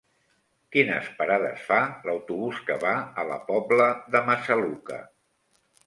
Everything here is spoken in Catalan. Quines parades fa l'autobús que va a la Pobla de Massaluca?